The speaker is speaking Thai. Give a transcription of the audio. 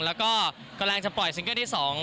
ไม่เกลียดตัวเองแล้วกำลังจะปล่อยซิงเกอร์ที่สอง